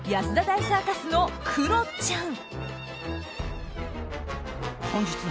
大サーカスのクロちゃん。